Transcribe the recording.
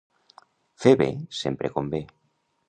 Fer bé sempre convé.